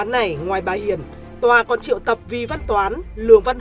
vụ án này ngoài bà hiền tòa còn triệu tập vi văn toán lường văn toán